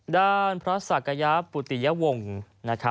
ด้านพระศักยะปุติยวงศ์